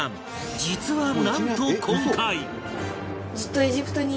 実はなんと今回